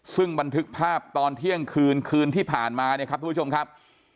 ซึ่งบันทึกภาพตอนเที่ยงคืนคืนที่ผ่านมาเนี่ยครับทุกผู้ชมครับ